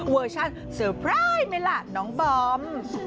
เวอร์ชันเตอร์ไพรส์ไหมล่ะน้องบอม